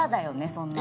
そんなの。